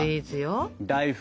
大福？